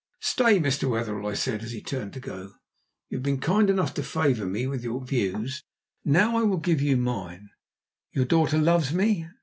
"Stay, Mr. Wetherell," I said, as he turned to go. "You have been kind enough to favour me with your views. Now I will give you mine. Your daughter loves me.